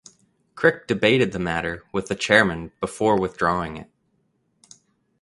Crick debated the matter with the Chairman before withdrawing it.